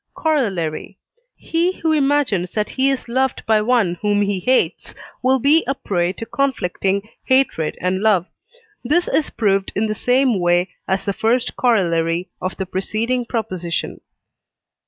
Corollary. He who imagines that he is loved by one whom he hates, will be a prey to conflicting hatred and love. This is proved in the same way as the first corollary of the preceding proposition.